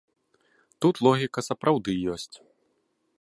Тут логіка сапраўды ёсць.